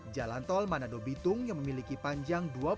jalan tol manado bitung yang memiliki panjang